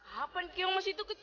kapan kiongmas itu kecil